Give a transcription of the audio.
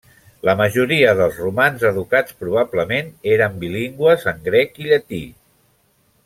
La majoria dels romans educats probablement eren bilingües en grec i llatí.